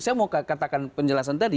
saya mau katakan penjelasan tadi